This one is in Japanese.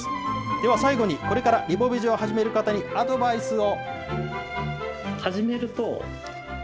では最後に、これからリボベジを始める方にアドバイスを。